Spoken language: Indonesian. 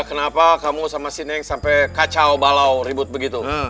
kenapa kamu sama sineng sampai kacau balau ribut begitu